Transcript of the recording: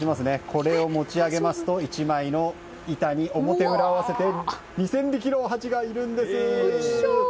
これを持ち上げますと１枚の板に、表裏合わせて２０００匹のハチがいるんです。